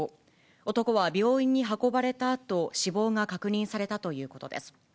男は病院に運ばれたあと、死亡が確認されたということです。